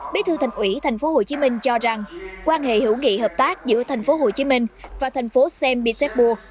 bí thư thành ủy thành phố hồ chí minh cho rằng quan hệ hữu nghị hợp tác giữa thành phố hồ chí minh và thành phố saint petersburg